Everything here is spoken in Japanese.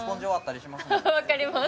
わかります